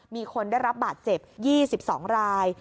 มีคนได้รับบาดเจ็บ๒๒ราย